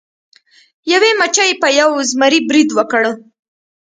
یوې مچۍ په یو زمري برید وکړ.